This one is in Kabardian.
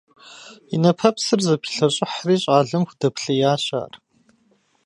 И нэпэпсыр зэпилъэщӀыхьри, щӀалэм худэплъеящ ар.